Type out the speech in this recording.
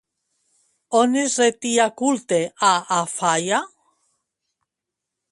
On es retia culte a Afaia?